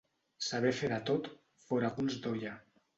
Saber fer de tot, fora culs d'olla.